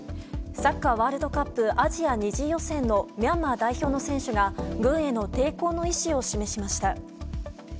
サッカーワールドカップアジア２次予選のミャンマー代表の選手が軍への抵抗の意思を示しました。